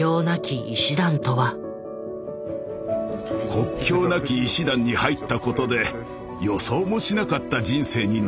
国境なき医師団に入ったことで予想もしなかった人生になりました。